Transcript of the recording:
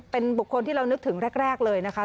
เป็นบุคคลที่เรานึกถึงแรกเลยนะคะ